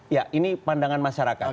ya ini pandangan masyarakat